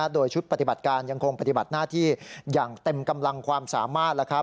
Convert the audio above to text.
โดยชุดปฏิบัติการยังคงปฏิบัติหน้าที่อย่างเต็มกำลังความสามารถ